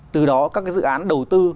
từ đó các cái dự án đầu tư